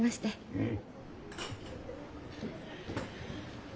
うん。